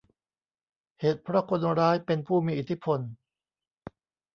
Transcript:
เหตุเพราะคนร้ายเป็นผู้มีอิทธิพล